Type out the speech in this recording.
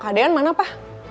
keadaan mana pak